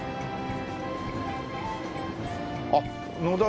あっ「野田」